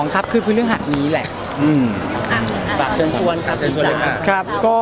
๒๒ขั้นคืออายุเรื่องหักนี้แหละ